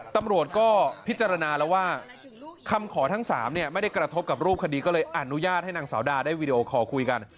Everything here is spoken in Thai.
ตำรวจก็พิจารณาแล้วว่าคำขอทั้ง๓เนี่ยไม่ได้กระทบกับรูปคดีก็เลยอนุญาตให้นางสาวดาได้วีดีโอคอลคุยกัน